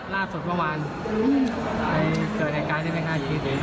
ล่าบสดประมาณเถิกในการที่บ้านข้างจะเห็น